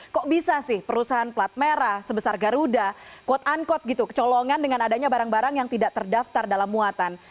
kok bisa sih perusahaan plat merah sebesar garuda quote unquote gitu kecolongan dengan adanya barang barang yang tidak terdaftar dalam muatan